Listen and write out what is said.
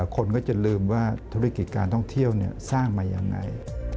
คนก็จะลืมว่าธุรกิจการท่องเที่ยวสร้างมายังไง